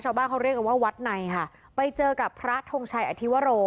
ชาวบ้านเขาเรียกกันว่าวัดในค่ะไปเจอกับพระทงชัยอธิวโร